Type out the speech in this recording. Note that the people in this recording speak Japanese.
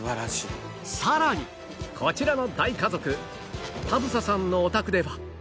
さらにこちらの大家族田總さんのお宅では